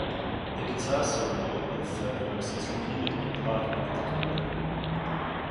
The guitar solo over the third verse is repeated in part over the coda.